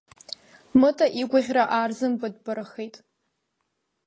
Мыта игәаӷьра аарзымбатәбарахеит.